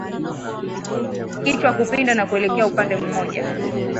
Kichwa kupinda na kuelekea upande mmoja